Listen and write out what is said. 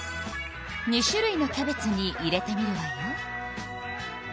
２種類のキャベツに入れてみるわよ。